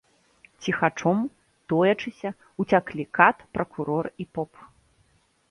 Ціхачом, тоячыся, уцяклі кат, пракурор і поп.